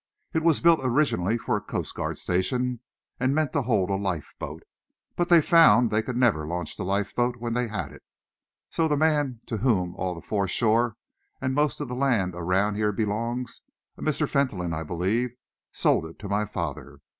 It was built originally for a coastguard station and meant to hold a lifeboat, but they found they could never launch the lifeboat when they had it, so the man to whom all the foreshore and most of the land around here belongs a Mr. Fentolin, I believe sold it to my father.